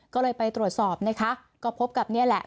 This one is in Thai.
ก็เลยไปตรวจสอบนะคะก็พบกับนี่แหละ